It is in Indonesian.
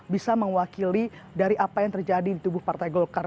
bisa mewakili dari apa yang terjadi di tubuh partai golkar